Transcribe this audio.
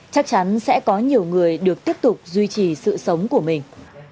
chắc chắn sẽ có nhiều người được tiếp tục duy trì sự sống của mình